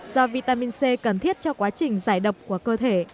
do vitamin c cần thiết cho quá trình giải độc của cơ thể